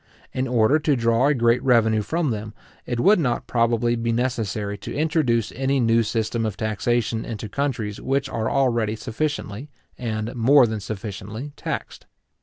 In order to draw a great revenue from them, it would not probably be necessary to introduce any new system of taxation into countries which are already sufficiently, and more than sufficiently, taxed.